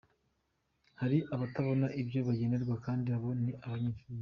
Hari abatabona ibyo bagenerwa kandi abo ni abanyeshuri.